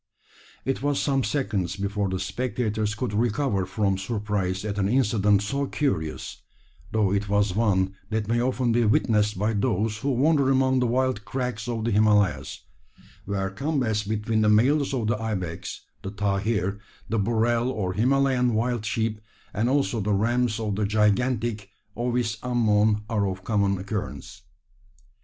It was some seconds before the spectators could recover from surprise at an incident so curious, though it was one that may often be witnessed by those who wander among the wild crags of the Himalayas where combats between the males of the ibex, the tahir, the burrell or Himalayan wild sheep, and also the rams of the gigantic Ovis ammon, are of common occurrence.